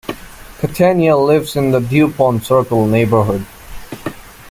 Catania lives in the Dupont Circle neighborhood.